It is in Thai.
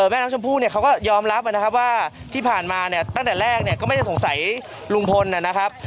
แม่น้ำชมพู่เขาก็ยอมรับว่าที่ผ่านมาตั้งแต่แรกก็ไม่ได้สงสัยลุงพลนะครับ